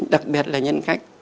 đặc biệt là nhân cách